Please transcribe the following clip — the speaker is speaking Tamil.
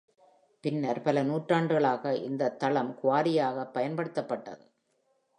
பின்னர் பல நூற்றாண்டுகளாக இந்த தளம் குவாரியாக பயன்படுத்தப்பட்டது.